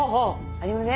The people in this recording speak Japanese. ありません？